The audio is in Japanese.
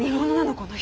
この人。